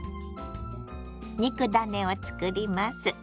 肉ダネを作ります。